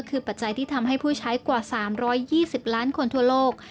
คือปัจจัยที่ทำให้ผู้ใช้กว่า๓๒๐ล้านคนทั่วโลก